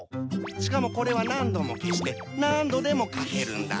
しかもこれは何度も消して何度でも書けるんだ。